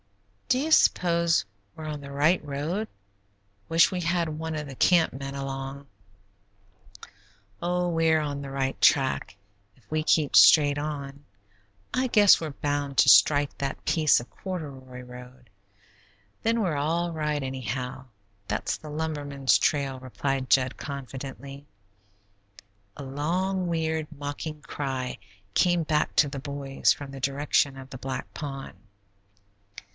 "Do you s'pose we're on the right road? Wish we had one of the camp men along." "Oh, we're on the right track. If we keep straight on, I guess we're bound to strike that piece of corduroy road; then we're all right anyhow; that's the lumbermen's trail," replied Jud confidently. A long, weird, mocking cry came back to the boys from the direction of the black pond.